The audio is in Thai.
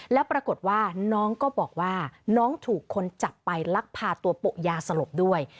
แล้วปรากฏว่าน้องก็บอกว่าน้องถูกคนจับไปลักพาตัวโปะยาสลบด้วย